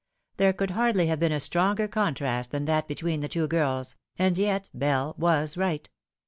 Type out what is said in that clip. There could h;irdly have been a stronger contrast than that between the two girls ; and yet Bell was right.